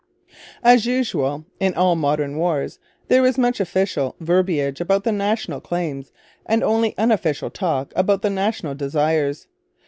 As usual in all modern wars, there was much official verbiage about the national claims and only unofficial talk about the national desires.